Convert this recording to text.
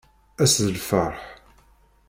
Ass d lferḥ.